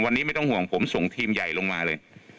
วันนี้ไม่ต้องห่วงผมส่งทีมใหญ่ลงมาเลย